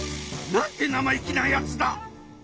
なんて生意気なやつだ！